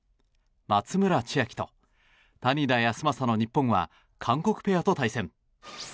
松村千秋と谷田康真の日本は韓国ペアと対戦。